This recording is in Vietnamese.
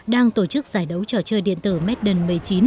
đang tổ chức giải đấu trò chơi điện tử medden một mươi chín